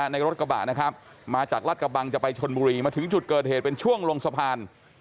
ในรถกระบะนะครับมาจากรัฐกระบังจะไปชนบุรีมาถึงจุดเกิดเหตุเป็นช่วงลงสะพาน